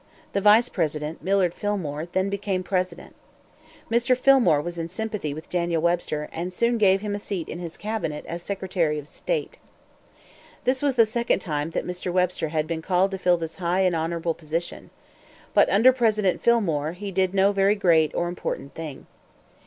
The vice president, Millard Fillmore, then became president. Mr. Fillmore was in sympathy with Daniel Webster, and soon gave him a seat in his cabinet as secretary of state. This was the second time that Mr. Webster had been called to fill this high and honorable position. But, under President Fillmore, he did no very great or important thing.